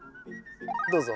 どうぞ。